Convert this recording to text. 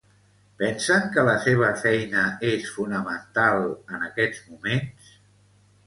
Pensen que la seva feina és fonamental en aquests moments?